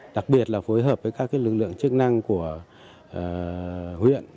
đặc biệt là phối hợp với các lực lượng chức năng của huyện